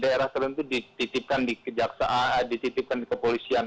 di daerah tersebut dititipkan ke jaksa dititipkan ke polisian